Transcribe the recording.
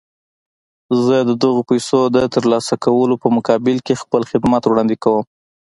زه د دغو پيسو د ترلاسه کولو په مقابل کې خپل خدمات وړاندې کوم.